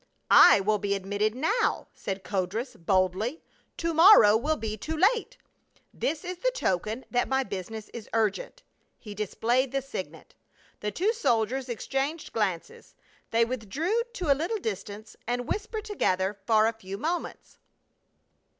" I will be admitted now," said Codrus boldly. " To morrow will be too late. This is the token that my business is urgent." He displayed the signet. The two soldiers exchanged glances ; they withdrew to a little distance and whispered together for a few moments.